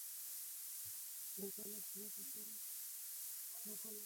هیات یو څو ورځې په پېښور کې پاتې شي.